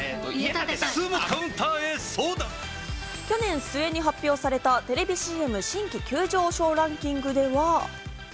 去年末に発表されたテレビＣＭ新規急上昇ランキングでは。